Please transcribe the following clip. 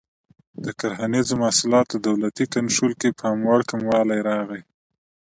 د کرنیزو محصولاتو دولتي کنټرول کې پاموړ کموالی راغی.